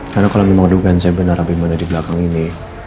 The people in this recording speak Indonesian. karena kalau memang dugaan saya benar benar dimana di belakang ini